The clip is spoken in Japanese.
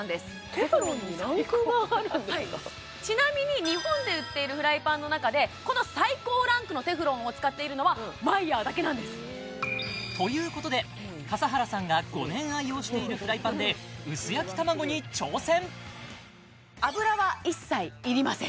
テフロンにランクがあるんですかちなみに日本で売っているフライパンの中でこの最高ランクのテフロンを使っているのはマイヤーだけなんですということで笠原さんが５年愛用しているフライパンで薄焼き卵に挑戦油は一切要りません